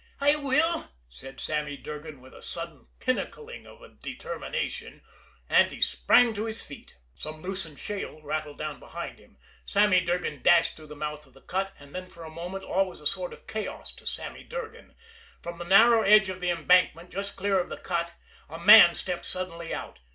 "I will!" said Sammy Durgan with a sudden pinnacling of determination and he sprang to his feet. Some loosened shale rattled down behind him. Sammy Durgan dashed through the mouth of the cut and then for a moment all was a sort of chaos to Sammy Durgan. From the narrow edge of the embankment, just clear of the cut, a man stepped suddenly out.